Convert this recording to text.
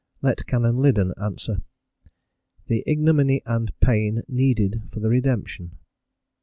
let Canon Liddon answer: "the ignominy and pain needed for the redemption."